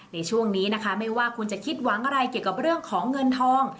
ในช่วงนี้นะคะไม่ว่าคุณจะคิดหวังอะไรเกี่ยวกับเรื่องของเงินทอง